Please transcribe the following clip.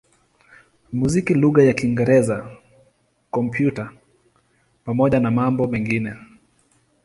muziki lugha ya Kiingereza, Kompyuta pamoja na mambo mengine.